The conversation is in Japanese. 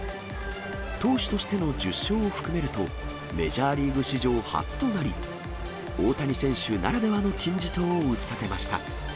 投手としての１０勝を含めると、メジャーリーグ史上初となり、大谷選手ならではの金字塔を打ち立てました。